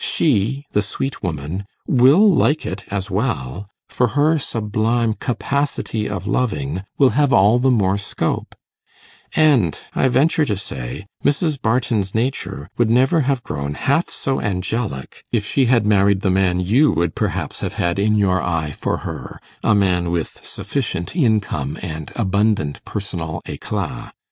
She the sweet woman will like it as well; for her sublime capacity of loving will have all the more scope; and I venture to say, Mrs. Barton's nature would never have grown half so angelic if she had married the man you would perhaps have had in your eye for her a man with sufficient income and abundant personal éclat.